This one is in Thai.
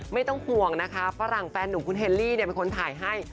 ไม่ต้องห่วงนะคะฝรั่งแฟนหนุ่มคุณเฮลลี่เป็นคนถ่ายให้